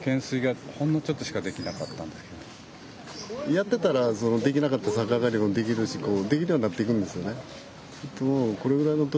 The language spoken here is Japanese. やってたらできなかったさか上がりもできるしできるようになっていくんですよね。